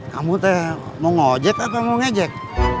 kamu mau ngajek apa mau ngejek